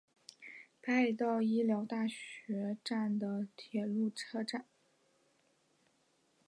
北海道医疗大学站的铁路车站。